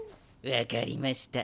分かりました。